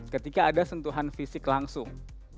ketika ada sentuhan fisik langsung